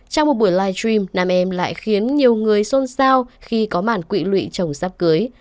trong một buổi livestream nam em lại khiến nhiều người xôn xao khi có mản quỵ lụy chồng sắp cưới